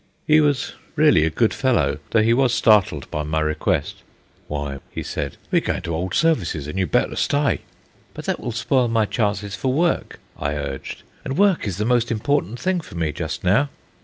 He was really a good fellow, though he was startled by my request. "Wy," he said, "we're goin' to 'old services, and you'd better sty." "But that will spoil my chances for work," I urged. "And work is the most important thing for me just now."